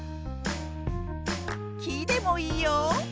「き」でもいいよ！